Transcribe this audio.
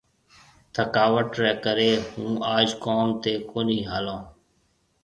ٿڪاوٽ ريَ ڪريَ هُون اج ڪوم تي ڪونَي هالون۔